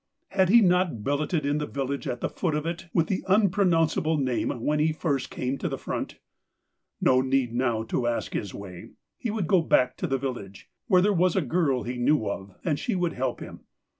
Had he not billeted in the village at the foot of it with the unpronounceable name when he first came to the front ? No need now to ask his way — he would go back to the village — where there was a girl he knew of, and she would help him.